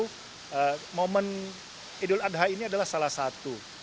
jadi momen idul adha ini adalah salah satu